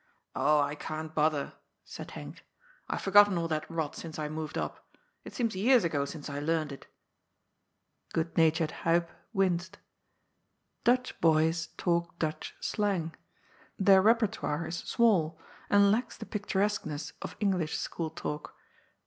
"Oh, I can't bother," said Henk. " I've forgotten all that rot since I moved up. It seems years ago since I learnt it." Good natured Huib winced. Dutch boys talk Dutch slang. Their repertoire is small, and lacks the picturesqueness of English school talk.